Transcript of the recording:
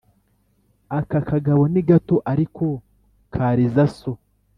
Aka kagabo ni gato, ariko kariza so.